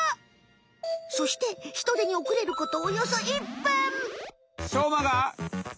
そしてヒトデにおくれることおよそ１分。